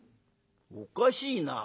「おかしいな。